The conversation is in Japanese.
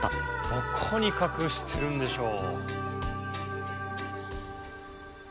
どこにかくしてるんでしょう？